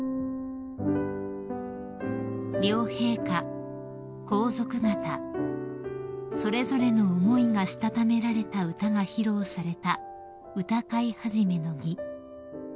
［両陛下皇族方それぞれの思いがしたためられた歌が披露された歌会始の儀］